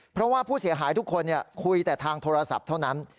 เพราะว่าผู้เสียหายทุกคนคุยแต่ทางโทรศัพท์เท่านั้น